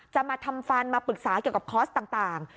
มาทำฟันมาปรึกษาเกี่ยวกับคอร์สต่าง